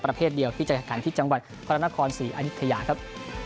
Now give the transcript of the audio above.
ประเภทเดียวที่จัดการที่จังหวัดพระราณคล๔อาณิคยาครับ